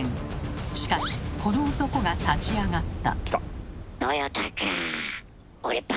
しかしこの男が立ち上がった！